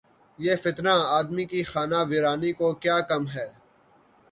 یہ فتنہ‘ آدمی کی خانہ ویرانی کو کیا کم ہے؟